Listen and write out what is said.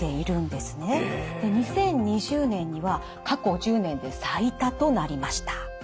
で２０２０年には過去１０年で最多となりました。